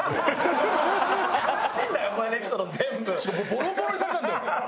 ボロボロにされたんだよ。